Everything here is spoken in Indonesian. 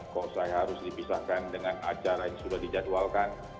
kok saya harus dipisahkan dengan acara yang sudah dijadwalkan